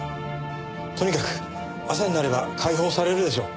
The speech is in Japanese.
とにかく朝になれば解放されるでしょう。